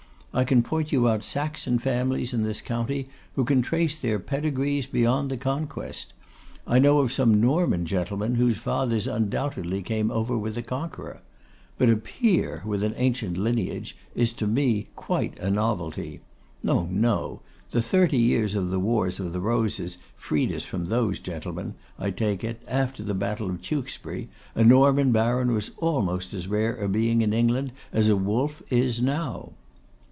I can point you out Saxon families in this county who can trace their pedigrees beyond the Conquest; I know of some Norman gentlemen whose fathers undoubtedly came over with the Conqueror. But a peer with an ancient lineage is to me quite a novelty. No, no; the thirty years of the wars of the Roses freed us from those gentlemen. I take it, after the battle of Tewkesbury, a Norman baron was almost as rare a being in England as a wolf is now.